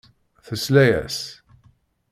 Tesla-as.